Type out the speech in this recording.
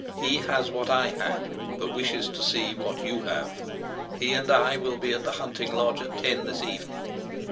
He has what I had, but wishes to see what you have. He and I will be at the hunting lodge at ten this evening.